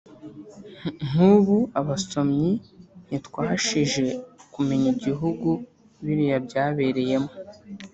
Nk’ ubu abasomyi ntitwashije kumenya igihugu biriya byabereyemo